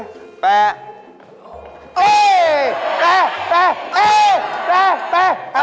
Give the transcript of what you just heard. เอ๊ยแปรแปรเอ๊ยแปรแปร